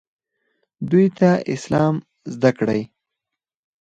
دوی ته اسلام زده کړئ